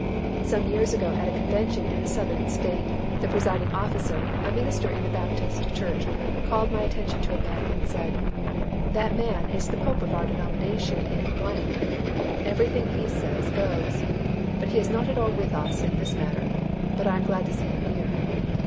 Some years ago at a convention in a Southern state, the presiding officer, a minister in the Baptist Church, called my attention to a man and said, "That man is the pope of our denomination in ——; everything he says goes, but he is not at all with us in this matter, but I am glad to see him here."